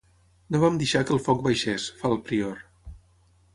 No vam deixar que el foc baixés, fa el prior.